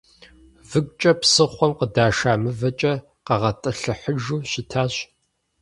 Выгукӏэ псыхъуэм къыдаша мывэкӏэ къагъэтӏылъыхьыжу щытащ.